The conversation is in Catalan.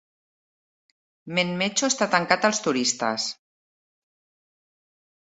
Menmecho està tancat als turistes.